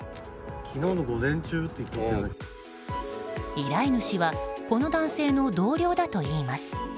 依頼主はこの男性の同僚だといいます。